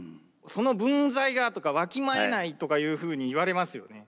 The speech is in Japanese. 「その分際が」とか「わきまえない」とかいうふうに言われますよね。